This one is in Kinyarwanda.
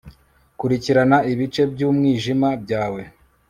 kurikirana ibice byumwijima byawe